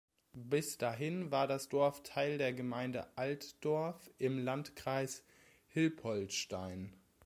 Bis dahin war das Dorf Teil der Gemeinde Altdorf im Landkreis Hilpoltstein.